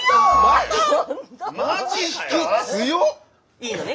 いいのね？